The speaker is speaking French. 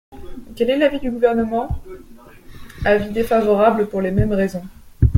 Quel est l’avis du Gouvernement ? Avis défavorable pour les mêmes raisons.